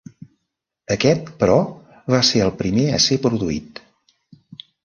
Aquest, però, va ser el primer a ser produït.